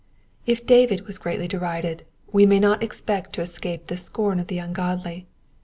If David was greatly derided, we may not expect to escape the scorn of the ungodly.